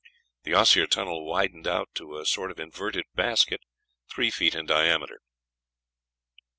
The osier tunnel widened out to a sort of inverted basket three feet in diameter.